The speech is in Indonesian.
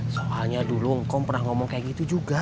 soalnya dulu kaum pernah ngomong kayak gitu juga